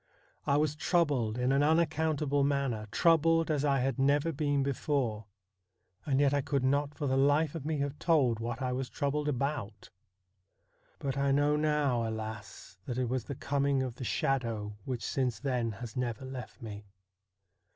I was troubled in an unaccountable manner, troubled as I had never been before ; and yet I could not for the life of me have told what I was troubled about. But I know now, alas ! that it was the coming of the shadow which since then has never left me.